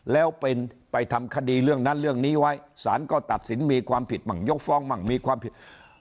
แล้วเป็นไปทำคดีเรื่องนั้นเรื่องนี้ไว้สารก็ตัดสินมีความผิดมั่งยกฟ้องมั่งมีความผิด